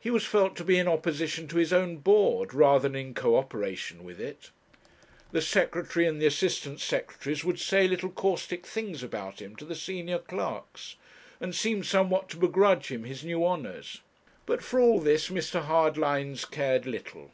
He was felt to be in opposition to his own Board, rather than in co operation with it. The Secretary and the Assistant Secretaries would say little caustic things about him to the senior clerks, and seemed somewhat to begrudge him his new honours. But for all this Mr. Hardlines cared little.